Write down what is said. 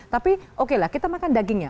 tapi okelah kita makan dagingnya